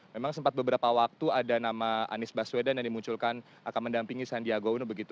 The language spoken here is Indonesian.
memang sempat beberapa waktu ada nama anies baswedan yang dimunculkan akan mendampingi sandiaga uno begitu